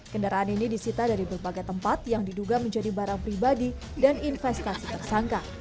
kendaraan ini disita dari berbagai tempat yang diduga menjadi barang pribadi dan investasi tersangka